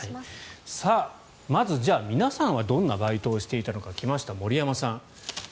まず皆さんはどんなバイトをしていたのか。来ました、森山さん。